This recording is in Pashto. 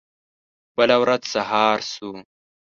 بله ورځ سهار شو.